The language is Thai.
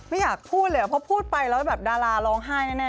ไม่อยากพูดเลยเพราะพูดไปแล้วแบบดาราร้องไห้แน่